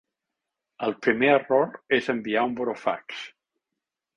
El primer error és enviar un burofax.